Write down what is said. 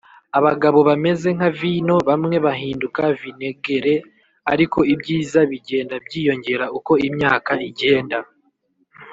abagabo bameze nka vino - bamwe bahinduka vinegere, ariko ibyiza bigenda byiyongera uko imyaka igenda.